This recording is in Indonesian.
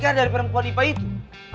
kan dari perempuan ipa itu